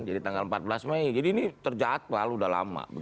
jadi tanggal empat belas mei jadi ini terjatuhal sudah lama